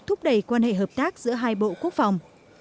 thúc đẩy quan hệ hợp tác giữa hai bộ quốc phòng